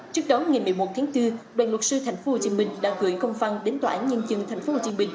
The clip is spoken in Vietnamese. trước đó ngày một mươi một tháng bốn đoàn luật sư tp hcm đã gửi công phăn đến tòa án nhân dân tp hcm